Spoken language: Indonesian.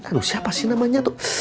lalu siapa sih namanya tuh